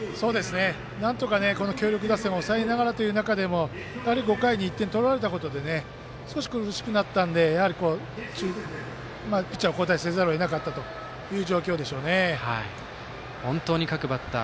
なんとか強力打線を抑えながらという中でも５回に１点取られたことで少し苦しくなったんでやはり、ピッチャーを交代せざるをえなかったという本当に各バッター